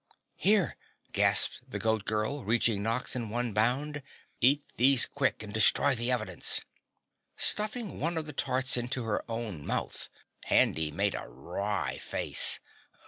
"Here," gasped the Goat Girl reaching Nox in one bound. "Eat these quick and destroy the evidence." Stuffing one of the tarts into her own mouth, Handy made a wry face.